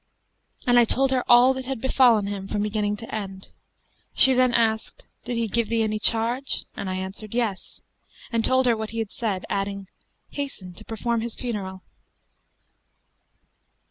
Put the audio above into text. and I told her all that had befallen him from beginning to end. She then asked, 'Did he give thee any charge?'; and I answered, 'Yes,' and told her what he had said, adding, 'Hasten to perform his funeral.'